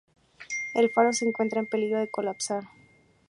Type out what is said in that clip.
El faro se encuentra en peligro de colapsar.